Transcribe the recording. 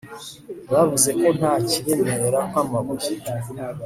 bavuze ko nta kiremera nk'amabuye